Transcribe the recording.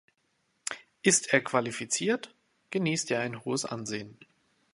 Ist er qualifiziert, genießt er ein hohes Ansehen.